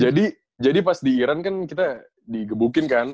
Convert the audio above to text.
jadi jadi pas di iran kan kita di gebukin kan